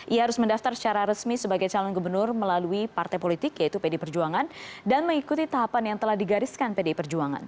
ia harus mendaftar secara resmi sebagai calon gubernur melalui partai politik yaitu pd perjuangan dan mengikuti tahapan yang telah digariskan pdi perjuangan